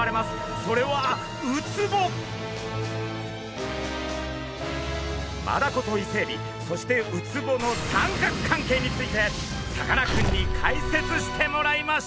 それはマダコとイセエビそしてウツボの三角関係についてさかなクンに解説してもらいましょう！